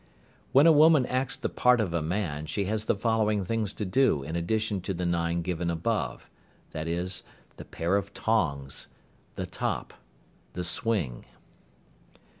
When a woman acts the part of a man, she has the following things to do in addition to the nine given above, viz. The pair of tongs. The top. The swing.